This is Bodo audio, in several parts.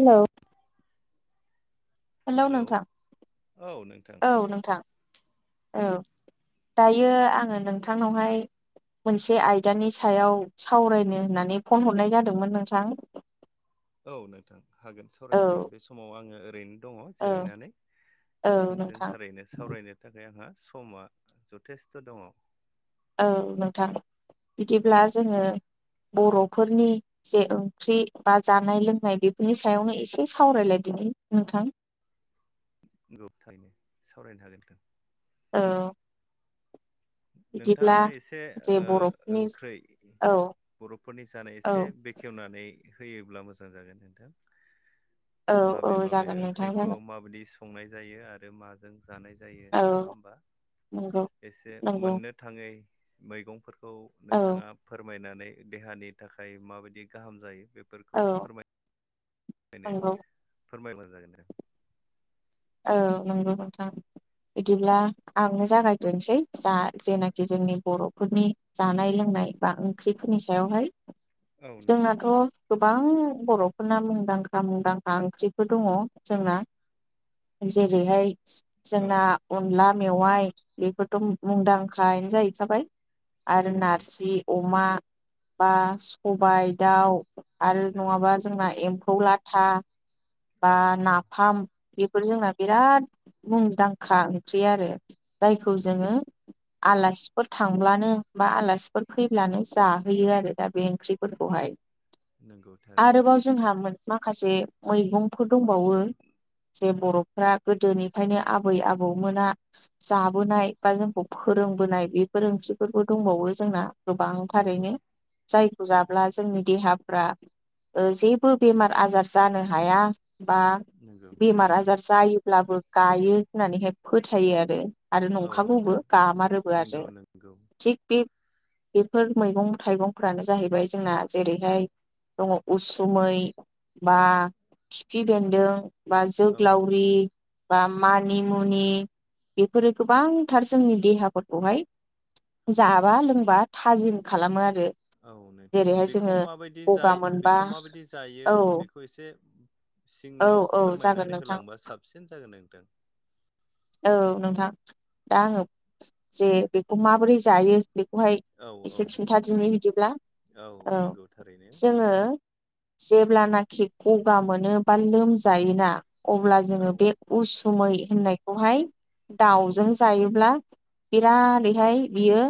हेलौ हेलौ नोंथां औ नोंथां औ नोंथां औ। दायो आङो नोंथांनावहाय मोनसे आयदानि सायाव सावरायनो होननानै फन हरनाय जादोंमोन नोंथां। औ नोंथां हागोन औ सावरायनो बे समाव आङो ओरैनो दङ' औ जिरायनानै औ नोंथांजों नोंथां थारैनो सावरायनो थाखाय आंहा समा जथेस्थ' दङ'। औ नोंथां बिदिब्ला जोङो बर'फोरनि जे ओंख्रि बा जानाय लोंनाय बेफोरनि सायावनो एसे सावरायलायदो नि नोंथां। नंगौ थारैनो सावरायनो हागोन नोंथां। औ। बिदिब्ला नोंथाङानो एसे जे ओ बर'फोरनि ओंख्रै औ बर'फोरनि जानाय औ एसे बेखेवनानै होयोब्ला मोजां जागोन नोंथां। औ औ माबे माबे जागोन नोंथां ओंख्रिखौ जागोन माबायदि संनाय जायो आरो माजों जानाय जायो नङा औ होमबा? नंगौ एसे नंगौ मोननो थाङै मैगंफोर खौ औ नोंथाङा फोरमायनानै देहानि थाखाय माबायदि गाहाम जायो औ बेफोरखौ फोरमाय नंगौ। फोरमायबा [unintelligible] औ नंगौ नोंथां। बिदिब्ला आंनो जागायग्रानोसै जा जेनाखि जोंनि बर'फोरनि जानाय लोंना नाय बा ओंख्रिफोरनि सायावहाय। औ नंगौ जोंनाथ' गोबां बर'फोरना मुंदांखा मुंदांखा ओंख्रिफोर दङ' जोंना जेरैहाय औ जोंना अनला मेवाइ बेफोरथ' मुंदांखानो जाहैखाबाय आरो नंगौ नारजि अ अमा बा सबाय दाउ आरो नंगौ नङाबा जोंना एम फौ लाथा बा औ नंगौ नाफाम बेफोर जोंना बिराद मुंदांखा ओंख्रि आरो जायखौ नंगौ जोङो आलासिफोर थांब्लानो बा आलासिफोर फैब्लानो जाहोयो आरो। दा बे ओंख्रिफोरखौहाय नंगौ थारैनो आरोबाव जोंहा माखासे मैगं फोर दंबावो जे बर' फ्रा गोदोनिफ्रायनो आबै आबौमोना जाबोनाय बा जोंखौ फोरोंबोनाय बे फोर ओंख्रिफोरबो दंबावो जोंना नंगौ गोबांथारैनो जाय खौ जाब्ला जोंनि देहाफ्रा ओ जेबो बेमार आजार जानो हाया बा नंगौ बेमार थारैनो आजार जायोब्लाबो गायो होननानैहाय फोथायो आरो। आरो औ नंखागौबो नोंथां गामारोबो आरो नंगौ नंगौ थिग बे बेफोर मैगं थाइगंफ्रानो जाहैबाय जोंना जेरैहाय दङ उसुमै बा खिफि बेन्दों बा औ जोग्लावरि नंगौ बा मानि मुनि बेफोरो गोबांथार जोंनि देहाफोरखौहाय जाबा लोंबा थाजिम खालामो आरो। औ नोंथां जेरैहाय बेखौ जोङो माबायदि गगा जायो मोनबा बेखौ माबायदि जायो औ बेखौ एसे औ सिङाव औ जागोन फोरमायनानै नोंथां होलांबा साबसिन जागोन नोंथां औ नोंथां दा आङो जे बेखौ माबोरै जायो बेखौहाय औ एसे औ खिन्थादिनि बिदिब्ला औ नंगौ थारैनो जोङो जेब्लानाखि गगा मोनो बा लोमजायोना अब्ला औ जोङो बे उसु सुमै होननायखौहाय औ दाउजों जायोब्ला बिरादैहाय बियो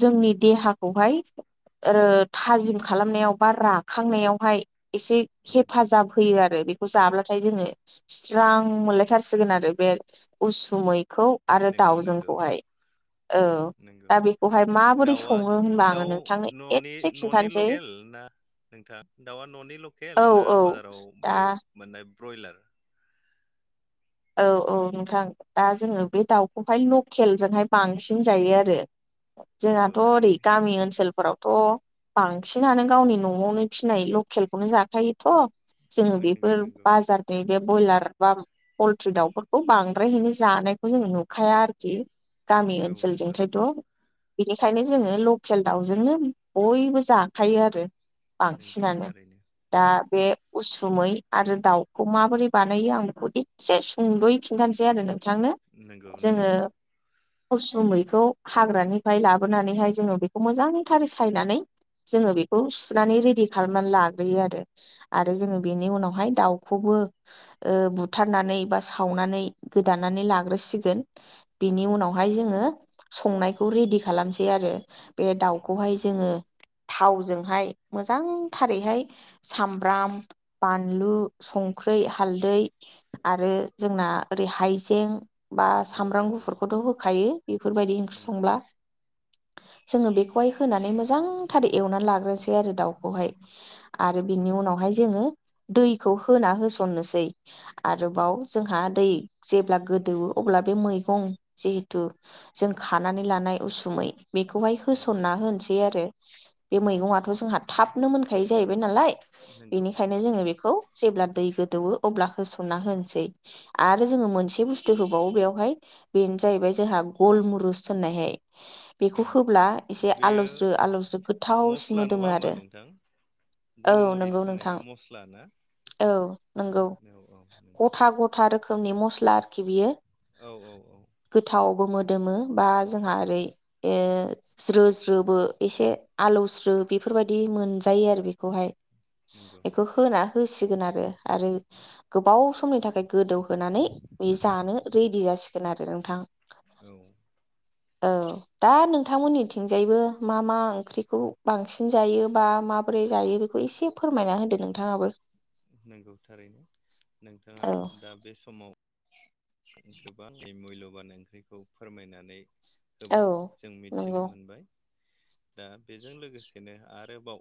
जोंनि देहाखौहाय ओ थाजिम खालामनायाव बा राखांनायावहाय एसे हे औ हेफाजाब होयो आरो बेखौ जाब्लाथाय जोङो स्रां मोनलायथारसिगोन आरो बे उसुमै खौ आरो नंगौ दाउ नंगौ जखौहाय औ नंगौ दा बेखौहाय माबोरै दाउआ सङो होनबा आङो दाउ नोंथांनो न'नि एतसे न'नि खिन्थानोसै लकेल ना नोंथां दाउआ न'नि लकेल औ ना औ बाजाराव बै दा। मोननाय ब्रयलार औ औ नोंथां दा जोङो बे दाउखौहाय लकेलजोंहाय बांसिन जायो आरो। नंगौ जोंहाथ' ओरै थारैनो गामि ओनसोल फोरावथ' बांसिनानो गावनि न'आवनो फिनाय लकेलखौनो जाखायोथ' जों नंगौ बेफोर नंगौ बाजारनि बे ब्रयलार बा पलट्रि दाउफोरखौ बांद्रायहैनो जानायखौ जों नुखाया आरोखि। गामि औ नंगौ ओनसोलजोंथायथ' बेनिखायनो जोङो लकेल दाउजोंनो बयबो जाखायो आरो। नंगौ बांसिनानो थारैनो दा बे उसुमै आरो दाउखौ माबोरै बानायो आं बेखौदि एसे सुंद'यै खिन्थानोसै आरो नोंथांनो नंगौ जोङो नंगौ उसुमैखौ हाग्रानिफ्राय लाबोनानैहाय जोङो बेखौ मोजांथारै सायनानै जोङो बेखौ सुनानै रेडि खालामनानै लाग्रोयो आरो आरो जोङो बेनि उनावहाय दाउखौबो ओ [unintelligible] हुथारनानै बा सावनानै गोदानानै लाग्रोसिगोन बेनि औ उनावहाय जोङो संनायखौ रेडि खालामसै आरो बे दाउखौहाय नंगौ जोङो थावजोंहाय मोजांथारैहाय सामब्राम बानलु संख्रि हालदै आरो जोंना ओरै हाइजें बा औ सामब्राम नंगौ गुफुरखौथ' होखायो बेफोरबायदि ओंख्रि नंगौ संब्ला जोङो बेखौहाय होनानै मोजांथारै एवनानै लाग्रोसै आरो दाउखौहाय आरो बिनि उनाव [inaudible] उनावहाय जोङो दैखौ होना होसननोसै उम आरोबाव जोंहा दै जेब्ला गोदौवो अब्ला बे मैगं जिहेथु जों खानानै लानाय उसुमै बेखौहाय नंगौ होसनना होनोसै आरो बे मैगंआथ' जोंहा थाबनो मोनखायो जाहैबाय नालाय। नंगौ बेनिखायनो जोङो बेखौ जेब्ला दै गोदौवो अब्ला हो सनना होनोसै आरो जोङो मोनसे बस्तु होबावो बेवावहाय बेनो जाहैबाय जोंहा गुल मु ग्रुस्थ होननाय हाय। औ बेखौ होब्ला एसे बेयो आलौस्रु आलौस्रो गोथावसिन मस्ला नङा मोदोमो होमबा आरो। नोंथां औ नंगौ गलमरिस नोंथां होनाया मस्ला ना? औ नंगौ औ औ नंगौ गथा गथा रोखोमनि मस्ला आरोखि बियो। औ औ गोथावावबो मो दोमो बा जोंहा ओरै ओ ज्रो ज्रो एसे आलौ स्रो बेफो फोरबायदि मोनजायो आरो बेखौहाय। नंगौ बेखौ होना होसिगोन आरो आरो गोबाव समनि थाखाय गोदौहोनानै बे जानो रेडि जासिगोन आरो नोंथां। औ औ दा नों थांमोननिथिंजायबो मा मा ओंख्रिखौ बांसिन जायो बा माबोरै जायो बेखौ एसे फोरमायना होदो नोंथाङाबो। नंगौ थारैनो नोंथाङा औ दा बे समाव गोबां मुल्यबान ओंख्रिखौ फोरमायनानै औ होबाय जों मिथिनो नंगौ मोनबाय। दा बेजों लोगोसेनो आरोबाव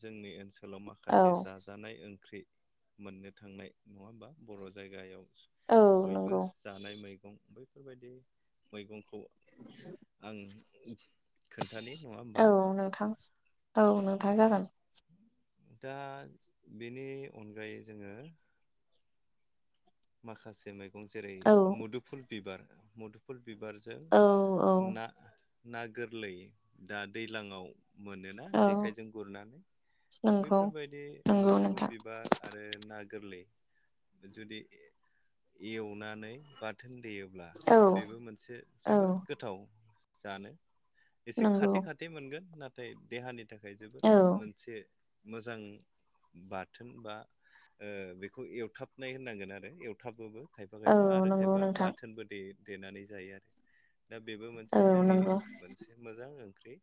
जोंनि ओनसो लाव औ माखासे जाजानाय ओंख्रि मोननो थांनाय नङा होमबा बर' जायगायाव औ बयबो नंगौ जानाय मैगं बैफोरबायदि मैगंखौ आं खोन्थानि नङा होमबा औ नोंथां औ नोंथां जागोन। दा बेनि अनगायै जोंङो माखासे मैगं जेरै औ मुदुफुल बिबार मुदुफुल बिबारजों औ औ ना ना गोरलै दा दैज्लाङाव मोनोना औ जेखाइजों गुरनानै। नंगौ बैफोरबायदि नंगौ मुदुफुल नोंथां बिबार आरो ना गोरलै जुदि एवनानै बाथोन देयोब्ला औ बेबो मोनसे औ जोबोद गोथाव जानो। एसे नंगौ खाथे खाथे मोनगोन नाथाय देहानि थाखाय जोबोद औ मोनसे मोजां बाथोन बा बेखौ एवथाबनाय होननांगोन आरो। आरो एवथाबोबो खायफा औ खायफा आरो नंगौ खायफा नोंथां बाथोनबो देनानै जायो आरो। दा बेबो मोनसे औ जोंनि नंगौ मोनसे मोजां ओं ख्रि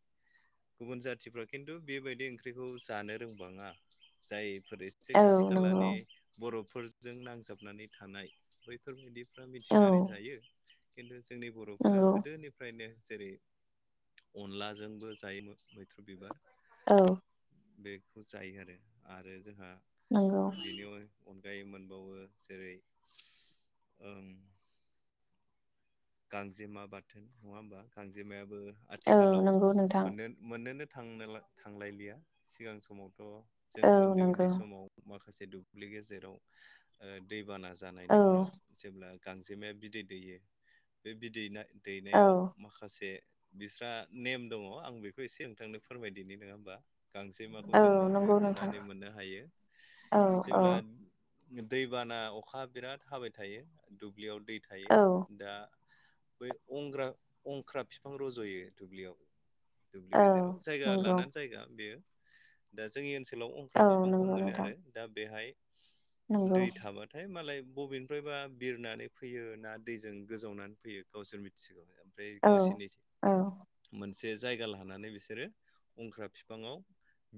गुबुन जाथिफ्रा खिन्थु बेबायदि ओंख्रिखौ जानो रोंबाङा जाय फोर एसे औ खाथि नंगौ खालानि बर'फोरजों नांजाबनानै थानाय बैफोरबायदि फ्रा औ मिथिनानै जायो खिन्थु जोंनि बर'फ्रा नंगौ गोदोनिफ्रायनो जेरै अनलाजोंबो जायोमोन मैथ्रु बिबार औ। बेखौ जायो आरो जोंहा नंगौ बेनि अनगायै मोनबावो जेरै उम्म गांजेमा बाथोन नङा होमबा गांजेमायाबो औ आथिखालाव नंगौ नोंथां मोन मोननोनो थांनोला थांलायलिया सिगां समावथ' जों औ उन्दै उन्दै नंगौ समाव माखा से दुब्लि गेजेराव ओ दैबाना जानायनि औ उनाव जेब्ला गांजेमाया बिदै दैयो बे बिदै औ दैनायाव माखासे बिस्रा नेम दङ आं बेखौ एसे नोंथांनो फोरमायदिनि नंङा होमबा? गांजेमाखौ औ जों माब्रै नंगौ नोंथां हमनानै मोननो हायो औ औ जेब्ला दैबाना अखा बिराद हाबाय थायो दुब्लियाव दै थायो औ दा बै अंग्रा अंख्रा बिफां रज'यो दुब्लियाव। दुब्लि औ गेजेराव जायगा नंगौ लानानै जायगा बेयो दा जोंनि ओनसो ओनसोलाव अंख्रा औ बिफांखौ नंगौ मोनो नोंथां आरो दा बेहाय नंगौ दै थाबाथाय मालाय बबेनिफ्रायबा बिरनानै फैयो ना दैजों गोजावनानै फैयो गावसोर मिथिसिगौ ओमफ्राय औ गावसिनि औ मोनसे जे जायगा लानानै बिसोरो अंख्रा बिफाङाव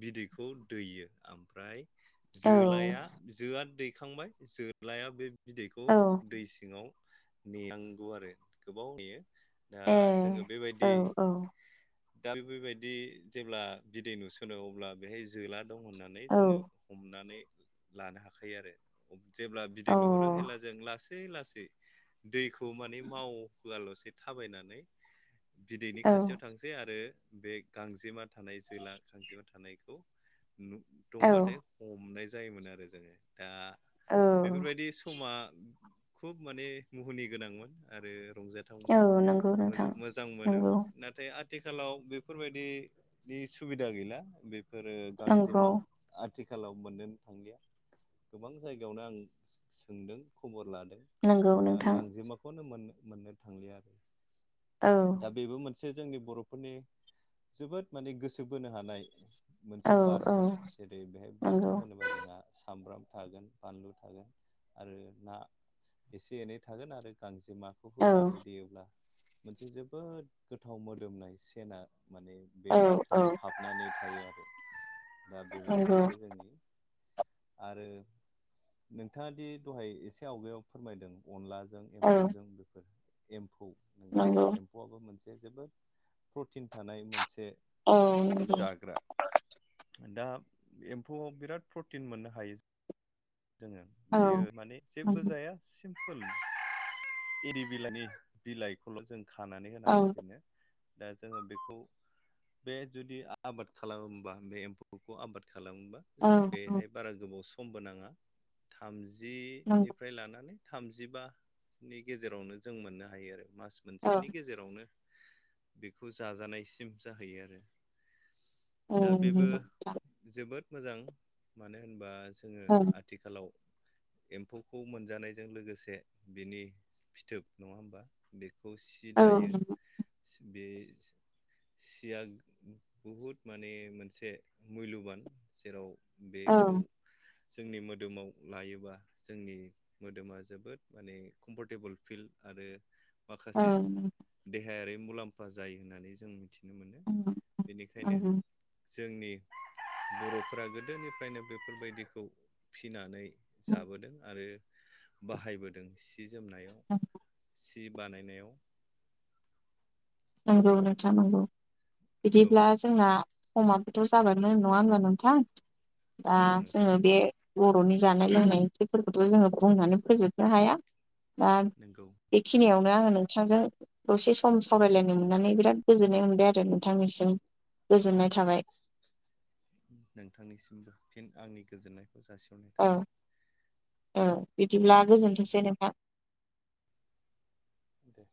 बिदैखौ दैयो ओमफ्राय औ जोलाया जोआ दैखांबाय जोलाया बे बिदैखौ औ दै सिङाव नेनांगौ आरो गोबाव नेयो दा ए जोङो औ बेबायदि औ दा बेफोरबायदि जेब्ला बिदै नुसोनो अब्ला बेहाय जोला दाव होननानै औ जोङो हमनानै लानो हाखायो आरो जेब्ला औ बिदै नुहरो हेब्ला जों लासै सै लासै दैखौ माने मावआलसे थाबायनानै बिदैनि औ खाथियाव थांसै आरो बे गांजेमा थानाय जोला गांजेमा थानायखौ दंबाथाय औ हमनाय जायोमोन आरो जोङो दा औ बेफोरबायदि समा खुब माने मुहुनि गोनांमोन आरो औ रंजाथावमोन नंगौ नोंथां मोजां नंगौ मोनोमोन नाथाय आथ आथिखालाव बेफोरबायदिनि सुबिदा गैला बेफोरो नंगौ गांजेमा आथिं आथिखालाव मोननोन थांलिया गोबां जायगायावनो आं सोंदों खबर लादों नंगौ दा नोंथां गांजेमाखौनो मोननो मोननो थांलिया औ दा बेबो मोनसे जोंनि बर'फोरनि जोबोद माने गोसो गोसोबोनो हानाय औ मोनसे औ बाथोन जेरै बेहाय बाथोन नंगौ होनोबा जोंहा सामब्राम थागोन बानलु थोगोन आरो नासे एनै थागोन गांजे जेमाखौ औ होनानै देयोब्ला मोनसे जोबोद गोथाव मोदोमनाय सेना माने बे औ औ बाथोनाव हाबनानै थायो आरो दा बेबो नंगौ मोनसे जोंनि आरो नोंथाङा दि दहाय एसे आवगायाव फोरमायदों अनला जों औ एम्फौजों बेफोर एमफौ नगौ नंगौ एम्फौआबो मोनसे जोबोद प्रटिन थानाय मोनसे औ नंगौ जाग्रा दा एम्फौआव बिराद प्रटिन मोननो हायो जोङो बियो औ माने जेबो नंगौ जाया सिमपोल एररिर बिलाइनि बिलाइखौल' जों खानानै औ होनांगौ बेनो दा जोङो बेखौ बे जुदि आबाद खालामोबा बे एम्फौखौ आबाद खालामोबा औ बेहाय बारा गोबाव समबो नाङा थाम नंगौ जिनिफ्राय लानानै थामजिबानि गेजेरावनो जों मोननो हायो आरो मास औ मोनसेनि गेजेरावनो बेखौ जाजानायसिम जाहैयो आरो। औ दा नोंखौ बेबो नोंथां जोबोद मोजां मानो होनबा जोङो औ नंगौ आथिखालाव एम्फौखौ मोनजानायजों लोगोसे बिनि फिथोब नङा होमबा बे सि दायो बे सिया बहुद माने मोनसे मुल्यबान जेराव बेखौ जोंनि मो दोमाव लायोबा जोंनि मोदोमा जोबोद माने कमफर्टेबोल फिल आरो माखासे औ देहायारि मुलाम्फा जायो होननानै जों मिथि नो मोनो औ बेनिखायनो नंगौ जोंनि बर'फोरा गोदोनिफ्रायनो बेफोरबायदिखौ फिनानै जाबोदों आरो बाहायबोदों सि जोमनाय औ सि बानायनायाव नंगौ नोंथा नोंगौ औ बिदिब्ला जोंना समाबोथ जाबानोानो नङा होनब्ला नोंथां दा औ नोंथां जोङो बे बरनि जानाय लोंनाय ओंख्रिफोरखौथ जोङो बुंनानै फोजोबनो हाया दा नंगौ बेखिनियावनो आङो नोंथांजों दसे सम सावरायलायनो नो मोननानै बिराद गोजोन्नाय मोनबाय आरो नोंथांनिसिम गोजोननाय थाबाय नोंथांनिसिमबो फिन आंनि गोजोननायखौ जासिहरनाय थाबाय ओ दे बिदिब्ला बिदिब्ला गोजोनथोंसै नोंथां दे